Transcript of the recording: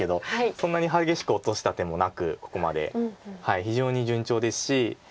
そんなに激しく落とした手もなくここまで非常に順調ですし。